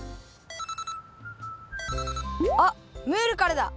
あっムールからだ。